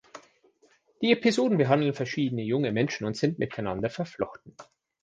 Die Episoden behandeln verschiedene junge Menschen und sind miteinander verflochten.